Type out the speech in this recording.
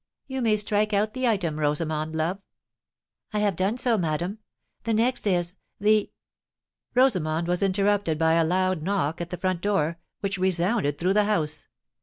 You may strike out the item, Rosamond love." "I have done so, madam. The next is, The——" Rosamond was interrupted by a loud knock at the front door, which resounded through the house.